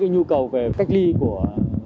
nhu cầu về cách ly của